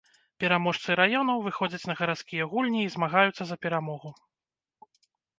Пераможцы раёнаў выходзяць на гарадскія гульні і змагаюцца за перамогу.